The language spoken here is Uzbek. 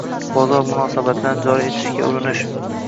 Bozor munosabatlarini joriy qilishga urinish